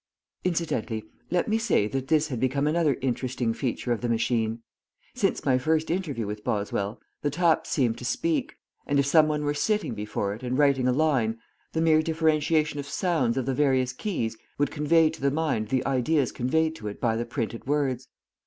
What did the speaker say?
Incidentally let me say that this had become another interesting feature of the machine. Since my first interview with Boswell the taps seemed to speak, and if some one were sitting before it and writing a line the mere differentiation of sounds of the various keys would convey to the mind the ideas conveyed to it by the printed words.